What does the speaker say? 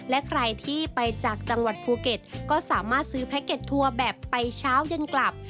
และใครที่ไปจากจังหวัดภูเก็ตก็สามารถซื้อแพ็กเก็ตทัวร์แบบไปเช้าเย็นกลับ